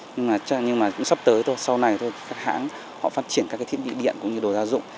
nhưng mà nhưng mà cũng sắp tới thôi sau này thôi các hãng họ phát triển các cái thiết bị điện cũng như đồ gia dụng